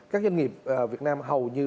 các doanh nghiệp việt nam hầu như